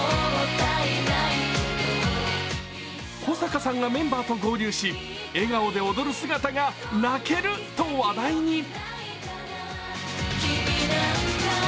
小坂さんがメンバーと合流し笑顔で踊る姿が、泣けると話題に。